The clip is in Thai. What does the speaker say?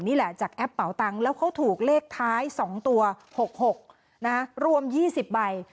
นี่แหละจากแอปเป่าตังค์แล้วเขาถูกเลขท้าย๒ตัว๖๖รวม๒๐ใบ